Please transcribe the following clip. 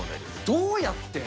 どうやって？